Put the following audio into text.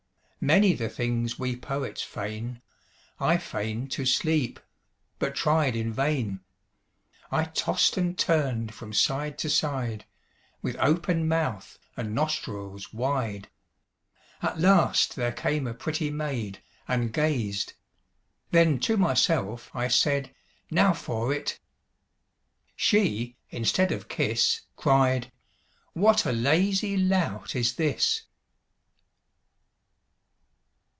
Many the things we poets feign. I feign'd to sleep, but tried in vain. I tost and turn'd from side to side, With open mouth and nostrils wide. At last there came a pretty maid, And gazed; then to myself I said, 'Now for it!' She, instead of kiss, Cried, 'What a lazy lout is this!'